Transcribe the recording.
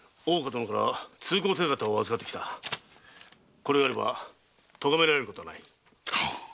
これがあれば咎められることはない。